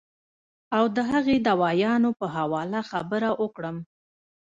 او د هغې د دوايانو پۀ حواله خبره اوکړم